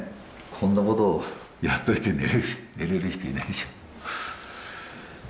こんなことをやっておいて寝られる人いないでしょ。